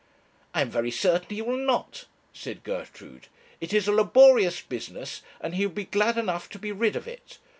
'I am very certain he will not,' said Gertrude. 'It is a laborious business, and he will be glad enough to be rid of it.